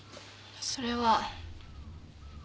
それは。